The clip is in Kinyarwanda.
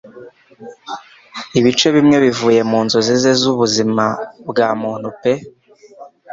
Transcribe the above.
Ibice bimwe bivuye mu nzozi ze z'ubuzima bwa muntu pe